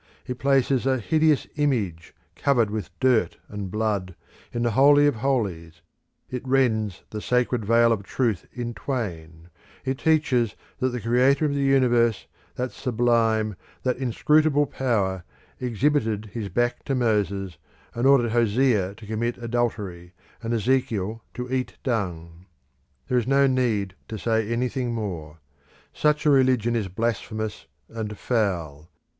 It places a hideous image, covered with dirt and blood, in the Holy of Holies; it rends the sacred Veil of Truth in twain, It teaches that the Creator of the Universe, that sublime, that inscrutable power, exhibited his back to Moses, and ordered Hosea to commit adultery, and Ezekiel to eat dung. There is no need to say anything more. Such a religion is blasphemous and foul.